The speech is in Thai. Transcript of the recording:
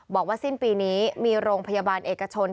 บอกว่าสิ้นปีนี้มีโรงพยาบาลเอกชน